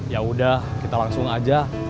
yaudah kita langsung aja